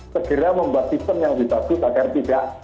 segera membuat sistem yang lebih bagus agar tidak